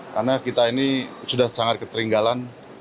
karena kita ini sudah sangat ketinggalan